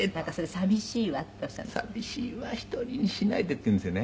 「“さみしいわ１人にしないで”って言うんですよね」